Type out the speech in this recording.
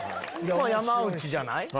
山内じゃない？